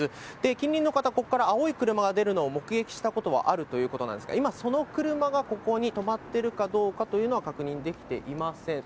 近隣の方、ここから青い車が出るのを目撃したことはあるということなんですが、今、その車がここに止まっているかどうかというのは、確認できていません。